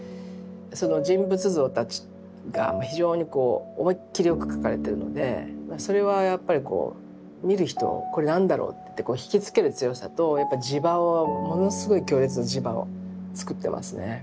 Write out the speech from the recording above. その人物像たちが非常にこう思いっきりよく描かれてるのでそれはやっぱりこう見る人をこれ何だろうって引き付ける強さとやっぱり磁場をものすごい強烈な磁場をつくってますね。